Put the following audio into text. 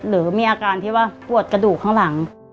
หรือมีอาการที่ว่าปวดกระดูกข้างหลัง